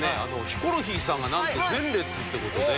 ヒコロヒーさんがなんと前列って事で。